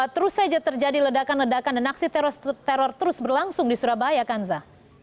terus saja terjadi ledakan ledakan dan aksi teror terus berlangsung di surabaya kanza